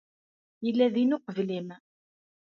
Yella din uqbel-im.